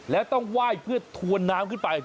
แล้วต้องไหว้เพื่อถวนน้ำขึ้นไป